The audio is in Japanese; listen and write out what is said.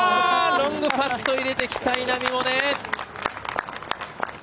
ロングパット入れてきた稲見萌寧。